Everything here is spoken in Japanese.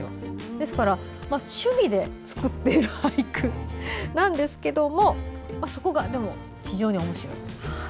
ですから趣味で作っている俳句なんですけどそこが非常におもしろい。